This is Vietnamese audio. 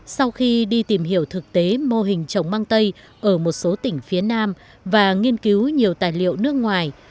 sau khi đi tìm hiểu thực tế mô hình trồng mang tây ở một số tỉnh phía nam và nghiên cứu nhiều tài liệu nước ngoài